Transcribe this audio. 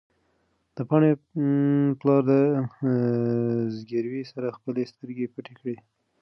د پاڼې پلار د زګېروي سره خپلې سترګې پټې کړې.